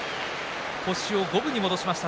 星を五分に戻しました、